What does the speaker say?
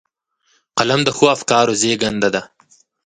قلم د ښو افکارو زېږنده ده